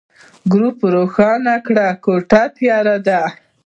ګروپ روښانه کړه، کوټه تياره ده.